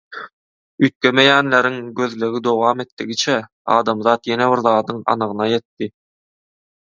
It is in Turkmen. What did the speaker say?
Üýtgemeýänleriň gözlegi dowam etdigiçe adamzat ýene bir zadyň anygyna ýetdi.